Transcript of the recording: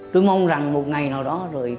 tôi mong rằng một ngày nào đó rồi